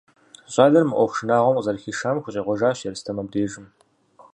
Щӏалэр мы ӏуэху шынагъуэм къызэрыхишам хущӏегъуэжащ Ерстэм абдежым.